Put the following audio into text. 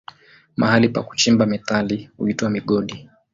Mahali pa kuchimba metali huitwa migodi.